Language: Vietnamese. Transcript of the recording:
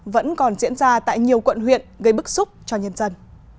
vẫn còn diễn ra tại nhiều quận huyện gây bức xúc cho nhân dân